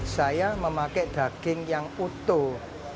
saya memakai daging yang utuh